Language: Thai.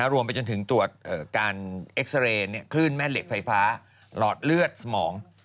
รวมไปจนถึงตรวจการเอ็กซาเรย์คลื่นแม่เหล็กไฟฟ้าหลอดเลือดสมอง